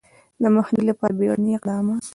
د مخنیوي لپاره بیړني اقدامات